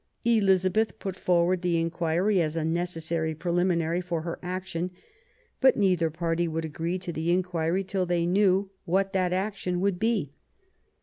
Elizabeth put forward the inquiry as a necessary preliminary for her action, but neither party would agree to the inquiry till they knew what that action would be.